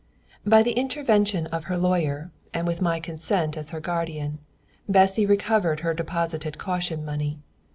By the intervention of her lawyer, and with my consent as her guardian, Bessy recovered her deposited caution money.